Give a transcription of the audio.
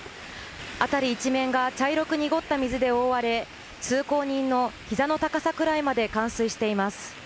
辺り一面が茶色く濁った水で覆われ通行人の膝の高さくらいまで冠水しています。